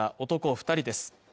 二人です